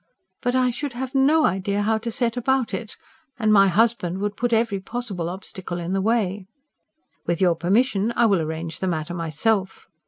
"But I should have no idea how to set about it. And my husband would put every possible obstacle in the way." "With your permission I will arrange the matter myself."